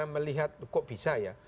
melihat kok bisa ya